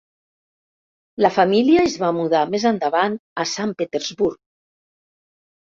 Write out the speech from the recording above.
La família es va mudar més endavant a Sant Petersburg.